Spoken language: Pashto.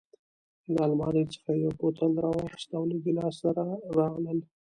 له المارۍ څخه یې یو بوتل راواخیست او له ګیلاس سره راغلل.